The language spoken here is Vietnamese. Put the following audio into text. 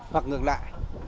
hoặc ngược lại